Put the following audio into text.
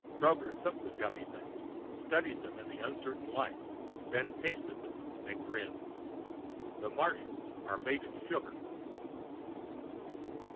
Kroger took the gummy things, studied them in the uncertain light, then tasted them and grinned. The Martians are made of sugar.